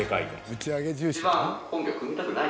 打ち上げ重視やな。